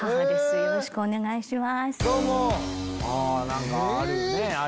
よろしくお願いします。